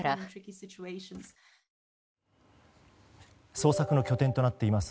捜索の拠点となっています